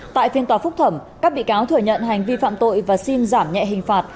tại phiên tòa phúc thẩm các bị cáo thừa nhận hành vi phạm tội và xin giảm nhẹ hình phạt